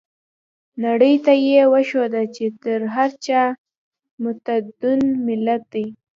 نړۍ ته يې وښوده چې تر هر چا متمدن ملت دی.